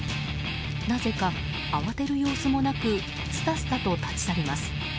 なぜか慌てる様子もなくすたすたと立ち去ります。